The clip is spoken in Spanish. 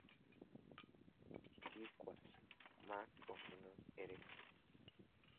Silicuas más o menos erectas.